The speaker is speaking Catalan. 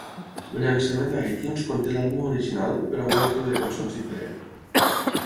El llançament a iTunes conté l'àlbum original, però amb un ordre de cançons diferent.